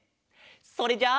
それじゃあ。